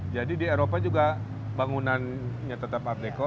jadi di eropa juga bangunannya tetap abdeko